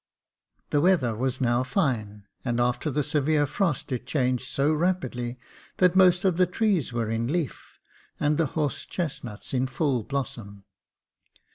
The weather was now fine, and after the severe frost it changed so rapidly that most of the trees were in leaf, and the horse chestnuts in full blossom.